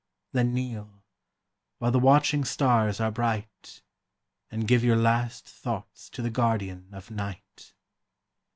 Then kneel, while the watching stars are bright, And give your last thoughts to the Guardian of night.